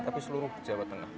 tapi seluruh jawa tengah